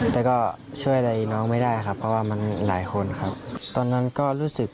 แล้วก็กันหลายคนด้วยครับมองเราเขามองเราตั้งแต่ขับมาแล้ว